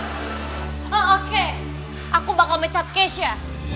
hah oke aku bakal mecat keisha